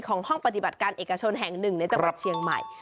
ห้องปฏิบัติการเอกชนแห่งหนึ่งในจังหวัดเชียงใหม่